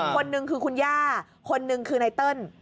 คนหนึ่งคือคุณย่าคนหนึ่งคือไนเติ้ล